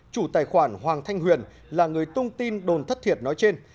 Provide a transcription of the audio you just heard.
chủ tài khoản hoàng thanh huyền là người tung tin đồn thất thiệt nói trên